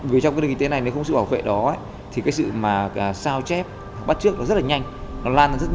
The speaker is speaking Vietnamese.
vì trong cái nền kinh tế này nếu không sự bảo vệ đó